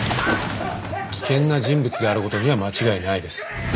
危険な人物である事には間違いないです。